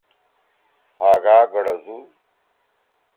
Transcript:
ہاگا گڑزُو